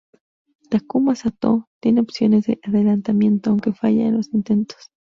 Takuma Satō tiene opciones de adelantamiento, aunque falla en los intentos.